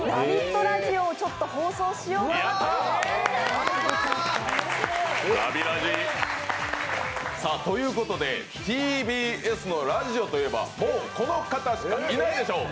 ラジオを放送しようかなと。ということで、ＴＢＳのラジオといえばこの方しかいないでしょう。